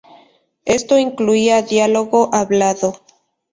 Esto incluía diálogo hablado.